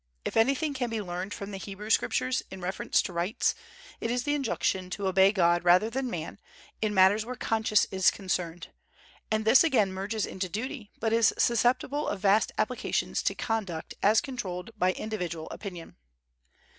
If anything can be learned from the Hebrew Scriptures in reference to rights, it is the injunction to obey God rather than man, in matters where conscience is concerned; and this again merges into duty, but is susceptible of vast applications to conduct as controlled by individual opinion.